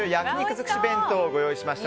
づくし弁当ご用意しました。